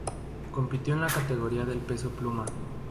Compitió en la categoría del peso pluma.